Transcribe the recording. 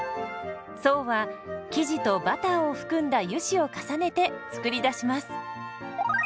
層は生地とバターを含んだ油脂を重ねて作り出します。